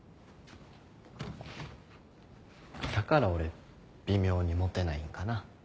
だから俺微妙にモテないんかな？